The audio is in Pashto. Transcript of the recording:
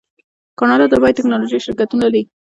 کاناډا د بایو ټیکنالوژۍ شرکتونه لري.